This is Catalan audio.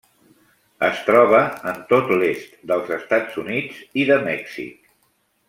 Es troba en tot l'est dels Estats Units i de Mèxic.